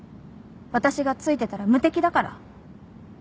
私がついてたら無敵だから